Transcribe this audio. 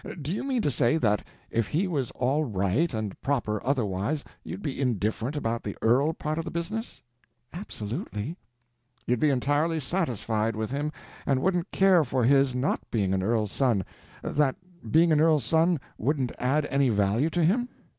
Do you mean to say that if he was all right and proper otherwise you'd be indifferent about the earl part of the business?" "Absolutely." "You'd be entirely satisfied with him and wouldn't care for his not being an earl's son,—that being an earl's son wouldn't add any value to him?"